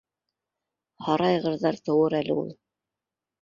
Һарайғырҙар тыуыр әле ул...